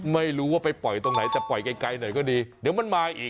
ไม่รู้ว่าไปปล่อยตรงไหนแต่ปล่อยไกลหน่อยก็ดีเดี๋ยวมันมาอีก